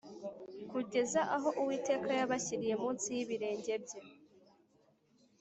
kugeza aho Uwiteka yabashyiriye munsi y’ibirenge bye